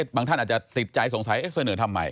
ท่านอาจจะติดใจสงสัยเสนอทำไม